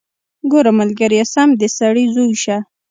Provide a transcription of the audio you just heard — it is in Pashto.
ګوره ملګريه سم د سړي زوى شه.